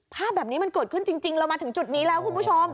ภาพแบบนี้มันเกิดขึ้นจริงเรามาถึงจุดนี้แล้วคุณผู้ชม